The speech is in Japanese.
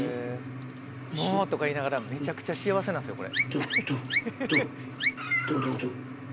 「もう」とか言いながらめちゃくちゃ幸せなんですこれ。